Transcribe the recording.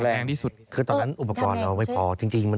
แล้วความเหนื่อยระเนี่ยมันจะมากกว่าเดินปกติตั้งเท่าไหร่